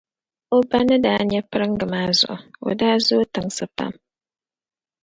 O ba ni daa nyɛ piringa maa zuɣu,o daa zooi tinsi pam.